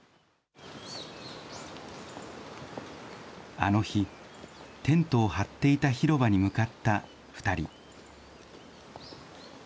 あの日、テントを張っていた広場に向かった２人。